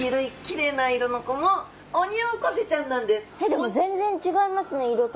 でも全然違いますね色とか。